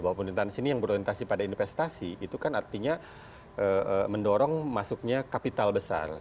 bahwa pemerintahan di sini yang berorientasi pada investasi itu kan artinya mendorong masuknya kapital besar